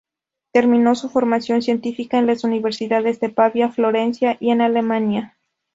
Terminó su formación científica en las Universidades de Pavia, Florencia, y en Alemania.